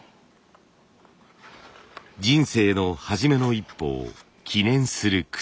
人生の初めの一歩を記念する靴。